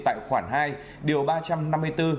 tại khoản hai điều ba trăm năm mươi bốn